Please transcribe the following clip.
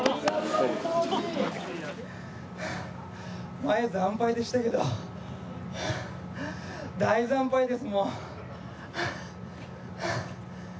前は惨敗でしたけど、大惨敗です。